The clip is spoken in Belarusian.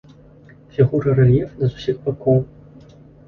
Фігура рэльефная з усіх бакоў.